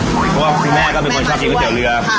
เพราะว่าคุณแม่แม่ก็มันชอบก๋วยแดดเรือ